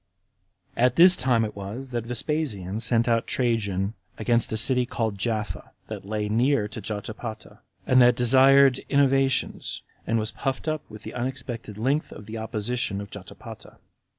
31. About this time it was that Vespasian sent out Trajan against a city called Japha, that lay near to Jotapata, and that desired innovations, and was puffed up with the unexpected length of the opposition of Jotapata.